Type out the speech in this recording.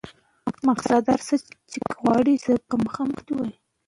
عمر د واورې په څیر دی.